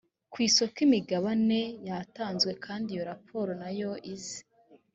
ku isoko imigabane yatanzwe kandi iyo raporo nayo ize